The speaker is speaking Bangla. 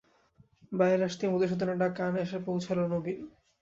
বাইরে আসতেই মধুসূদনের ডাক কানে এসে পৌঁছোল, নবীন।